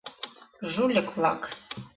Жульык-влак!